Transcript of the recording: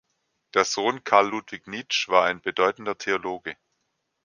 Der Sohn Karl Ludwig Nitzsch war ein bedeutender Theologe.